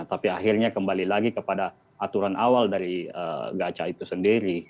tapi akhirnya kembali lagi kepada aturan awal dari gaca itu sendiri